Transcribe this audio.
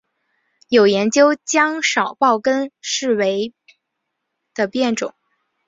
有研究将少孢根霉视为的变种。